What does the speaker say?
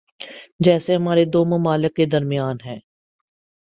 جیسے ہمارے دو ممالک کے درمیان ہیں۔